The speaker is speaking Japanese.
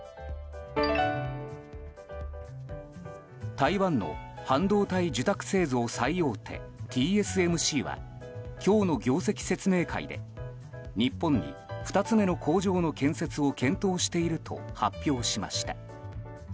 台湾の半導体受託製造最大手ＴＳＭＣは今日の業績説明会で日本に２つ目の工場の建設を検討していると発表しました。